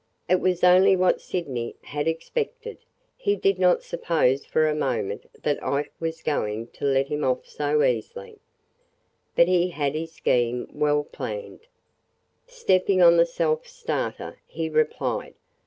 It was only what Sydney had expected. He did not suppose for a moment that Ike was going to let him off so easily. But he had his scheme well planned. Stepping on the self starter, he replied.